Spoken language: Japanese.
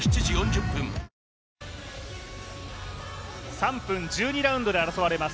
３分１２ラウンドで争われます